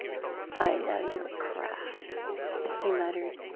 " I know your craft," he muttered.